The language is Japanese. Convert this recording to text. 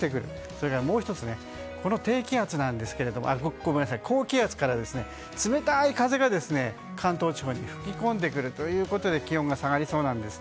それからもう１つこの高気圧から冷たい風が関東地方に吹き込んでくるということで気温が下がりそうなんです。